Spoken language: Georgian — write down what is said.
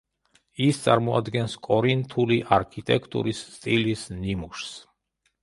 ის წარმოადგენს კორინთული არქიტექტურის სტილის ნიმუშს.